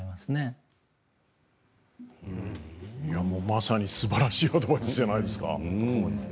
まさにすばらしいことじゃないですか。